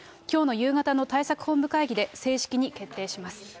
きょうの夕方の対策本部会議で正式に決定します。